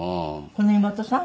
この妹さん？